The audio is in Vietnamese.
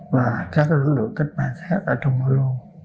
và các lực lượng cách mạng khác ở trong nội lộ